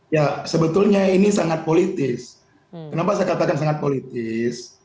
ya sebetulnya ini sangat politis kenapa saya katakan sangat politis